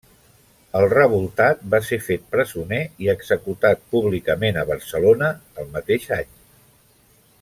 El revoltat va ser fet presoner i executat públicament a Barcelona el mateix any.